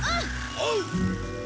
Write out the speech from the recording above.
おう！